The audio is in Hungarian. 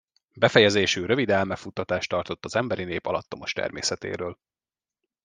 Befejezésül rövid elmefuttatást tartott az emberi nép alattomos természetéről.